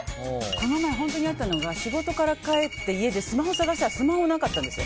この前、本当にあったのが仕事から帰って家でスマホを探したらスマホがなかったんです。